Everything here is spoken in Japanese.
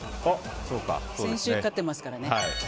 先週勝ってますからね。